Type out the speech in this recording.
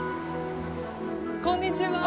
こんにちは。